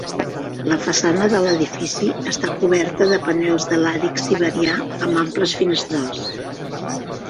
La façana de l'edifici està coberta de panels de làrix siberià amb amples finestrals.